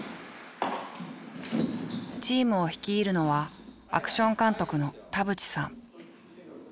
チームを率いるのはアクション監督の田渕さん。